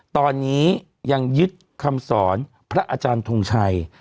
ตอนนี้ยังยึดคำสอนพระอาจารย์ทงชัย